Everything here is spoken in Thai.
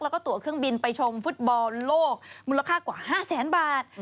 แล้วก็ตัวเครื่องบินไปชมฟุตบอลโลกมูลค่ากว่า๕แสนบาท